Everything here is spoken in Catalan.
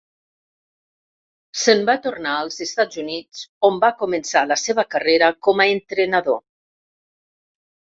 Se'n va tornar als Estats Units, on va començar la seva carrera com a entrenador.